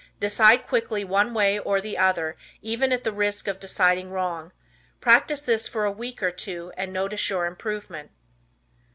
Decide quickly one way or the other even at the risk of deciding wrong. Practice this for a week or two and notice your improvement.